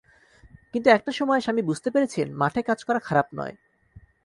কিন্তু একটা সময়ে স্বামী বুঝতে পেরেছেন, মাঠে কাজ করা খারাপ নয়।